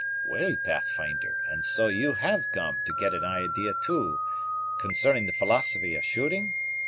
"Well Pathfinder, and so you have come to get an idea too, concerning the philosophy of shooting?